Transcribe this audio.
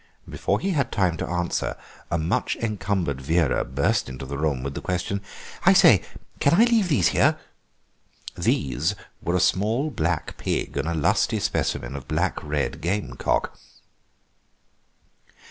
Before he had time to answer, a much encumbered Vera burst into the room with the question; "I say, can I leave these here?" "These" were a small black pig and a lusty specimen of black red gamecock.